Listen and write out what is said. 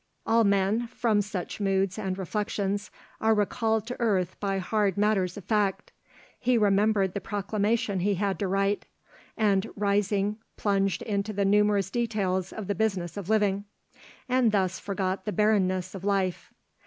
All men, from such moods and reflections, are recalled to earth by hard matters of fact. He remembered the proclamation he had to write, and rising plunged into the numerous details of the business of living, and thus forgot the barrenness of life.